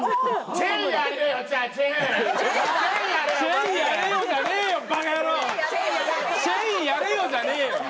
チェンやれよじゃねぇよ。